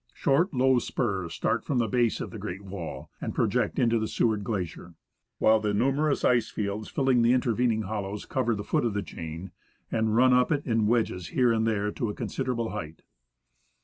Short, low spurs start from the base of the great wall, and project into the Seward Glacier ; while the numerous ice fields filling the intervening hollows cover the foot of the chain, and run up it in wedges here and there to a considerable height.